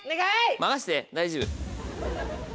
任して大丈夫。